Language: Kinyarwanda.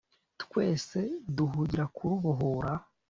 Twese duhugira kurubohora